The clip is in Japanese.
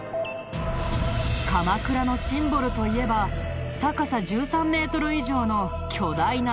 鎌倉のシンボルといえば高さ１３メートル以上の巨大な大仏様。